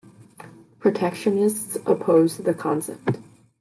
Protectionists opposed the concept.